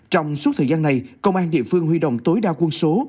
trong suốt thời gian này công an địa phương huy động tối đa quân số